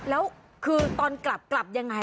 แล้วคือตอนกลับยังไง